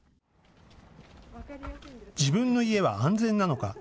自分の家は安全なのか。